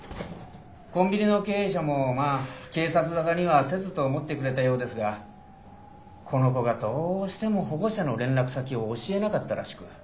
コンビニの経営者もまあ警察沙汰にはせずと思ってくれたようですがこの子がどうしても保護者の連絡先を教えなかったらしく。